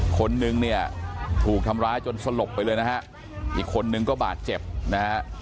คนนึงเนี่ยถูกทำร้ายจนสลบไปเลยนะฮะอีกคนนึงก็บาดเจ็บนะฮะ